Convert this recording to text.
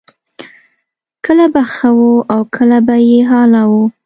کله به ښه وه او کله به بې حاله وه